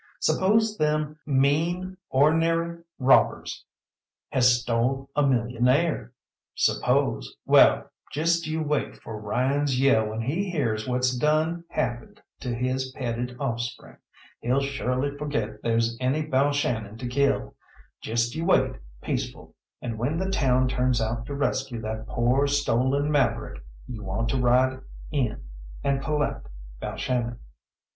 Suppose them mean, or'nary robbers has stole a millionaire? Suppose well, just you wait for Ryan's yell when he hears what's done happened to his petted offspring. He'll surely forget there's any Balshannon to kill. Just you wait peaceful, and when the town turns out to rescue that poor stolen maverick you want to ride in and collect Balshannon."